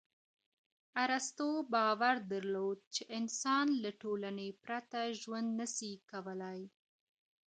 ارسطو باور درلود چي انسان له ټولني پرته ژوند نه سي کولای.